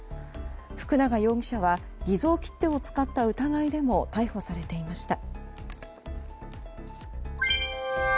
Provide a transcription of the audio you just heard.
福永容疑者は偽造切手を使った疑いでも逮捕されていました。